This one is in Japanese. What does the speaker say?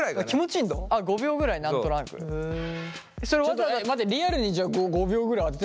ちょっと待ってリアルにじゃ５秒ぐらい当てて。